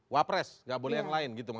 wapres nggak boleh yang lain gitu